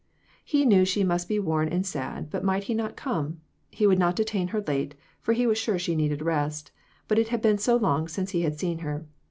He knew she must be worn and sad, but might he not come? He would not detain her late, for he was sure she needed rest ; but it had been so long since he had seen her